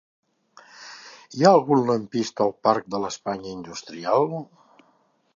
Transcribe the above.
Hi ha algun lampista al parc de l'Espanya Industrial?